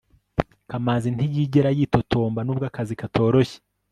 kamanzi ntiyigera yitotomba, nubwo akazi katoroshye